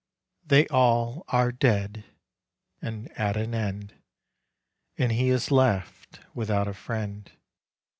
They all are dead — and at an end. And he is left without a friend.